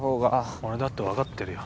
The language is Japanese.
俺だって分かってるよ。